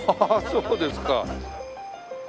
そうですか。